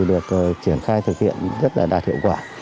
được triển khai thực hiện rất là đạt hiệu quả